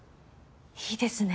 いいですね。